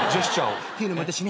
っていうのも私ね